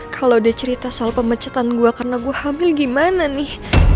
kalau dia cerita soal pemecatan gua karena gue hamil gimana nih